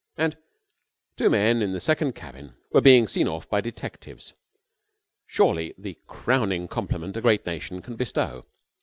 And two men in the second cabin were being seen off by detectives, surely the crowning compliment a great nation can bestow.